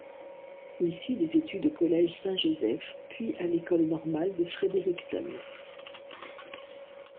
Il suit des études au Collège Saint-Joseph puis à l'école normale de Fredericton.